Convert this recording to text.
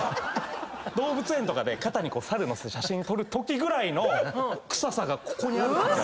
動物園で肩に猿乗せて写真撮るときぐらいの臭さがここにあるときが。